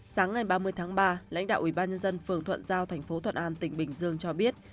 sáng ngày ba mươi tháng ba lãnh đạo ubnd phường thuận giao thành phố thuận an tỉnh bình dương cho biết